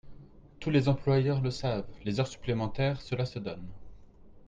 Tous les employeurs le savent, les heures supplémentaires, cela se donne.